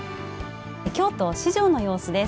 京都四条の様子です。